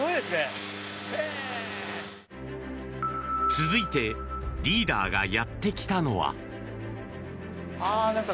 続いてリーダーがやってきたのは。